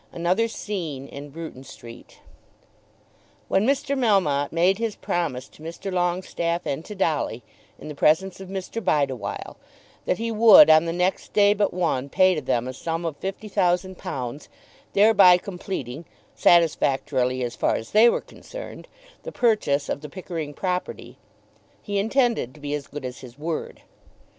ANOTHER SCENE IN BRUTON STREET. When Mr. Melmotte made his promise to Mr. Longestaffe and to Dolly, in the presence of Mr. Bideawhile, that he would, on the next day but one, pay to them a sum of fifty thousand pounds, thereby completing, satisfactorily as far as they were concerned, the purchase of the Pickering property, he intended to be as good as his word.